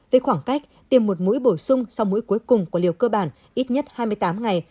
với khoảng cách tiêm một mũi bổ sung sau mũi cuối cùng của liều cơ bản ít nhất hai mươi tám ngày